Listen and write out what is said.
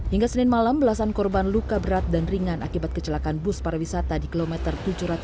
hingga senin malam belasan korban luka berat dan ringan akibat kecelakaan bus pariwisata di kilometer tujuh ratus tiga puluh